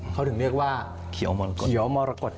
เขาถึงเรียกว่าเขียวมรกฏ